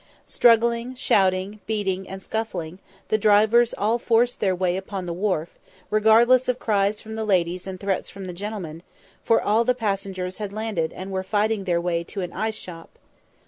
Struggling, shouting, beating, and scuffling, the drivers all forced their way upon the wharf, regardless of cries from the ladies and threats from the gentlemen, for all the passengers had landed and were fighting their way to an ice shop.